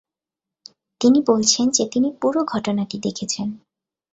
তিনি বলছেন যে তিনি পুরো ঘটনাটি দেখেছেন।